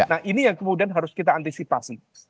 nah ini yang kemudian harus kita antisipasi